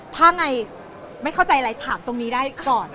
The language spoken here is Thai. ถ้าไงไม่เข้าใจอะไรถามตรงนี้ได้ก่อน